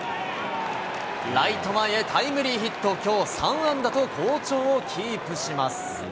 ライト前へタイムリーヒット、きょう３安打と好調をキープします。